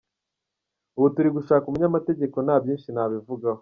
Ubu turi gushaka umunyamategeko nta byinshi nabivugaho.